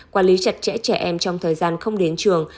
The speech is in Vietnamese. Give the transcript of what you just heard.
quản lý chặt chẽ trẻ em trong thời gian không đến trường